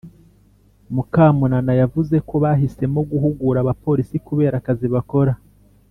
Mukamunana yavuze ko bahisemo guhugura abapolisi kubera akazi bakora